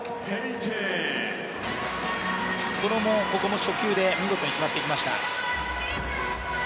ここも初球で見事に決まっていきました。